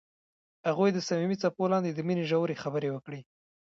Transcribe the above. هغوی د صمیمي څپو لاندې د مینې ژورې خبرې وکړې.